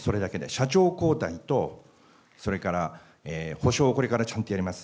社長交代と、それから補償、これからちゃんとやります。